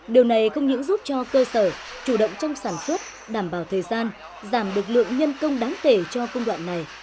điều này không những giúp cho cơ sở chủ động trong sản xuất đảm bảo thời gian giảm được lượng nhân công đáng kể cho công đoạn này